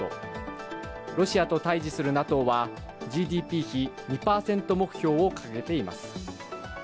ロシアと対じするＮＡＴＯはＧＤＰ比２％目標を掲げています。